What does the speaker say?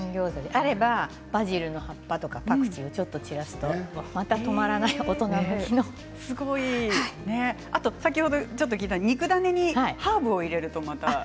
あれば、バジルの葉っぱやパクチーをちょっと散らすとまた止まらないあと、肉ダネにハーブを入れるとまた。